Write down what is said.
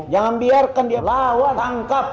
jangan biarkan dia lawan tangkap